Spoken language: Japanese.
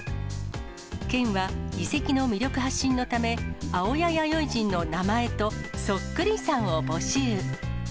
県は遺跡の魅力発信のため、青谷弥生人の名前とそっくりさんを募集。